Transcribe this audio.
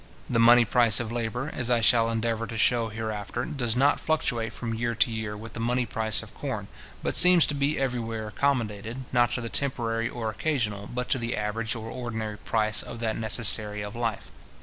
The money price of labour, as I shall endeavour to shew hereafter, does not fluctuate from year to year with the money price of corn, but seems to be everywhere accommodated, not to the temporary or occasional, but to the average or ordinary price of that necessary of life.